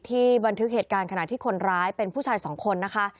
บันทึกเหตุการณ์ขณะที่คนร้ายเป็นผู้ชายสองคนนะคะ